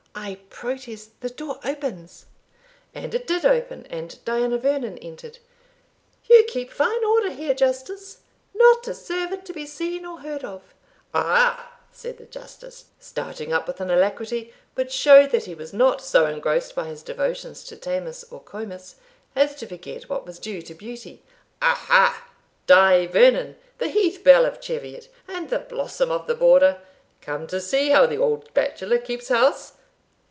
I protest the door opens" And it did open, and Diana Vernon entered "You keep fine order here, Justice not a servant to be seen or heard of." "Ah!" said the Justice, starting up with an alacrity which showed that he was not so engrossed by his devotions to Themis or Comus, as to forget what was due to beauty "Ah, ha! Die Vernon, the heath bell of Cheviot, and the blossom of the Border, come to see how the old bachelor keeps house?